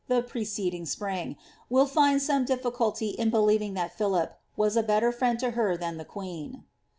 the preceding spring, will finij some difficulty in believing ih&t Philip WHS a better JrienJ to her Ihnn ihe queen.'